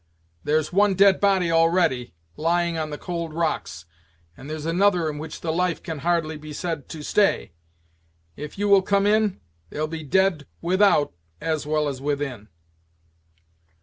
There's one dead body already, lying on the cold rocks, and there's another in which the life can hardly be said to stay. If you will come in, there'll be dead with out as well as within."